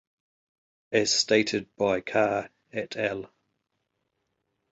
As stated by Carr at al.